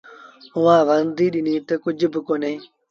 اُئآݩٚ ورنديٚ ڏنيٚ تا، ”ڪجھ با ڪونهي۔